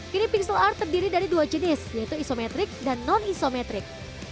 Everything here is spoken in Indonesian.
kini pixel art terdiri dari dua jenis yaitu isometrik dan non isometrik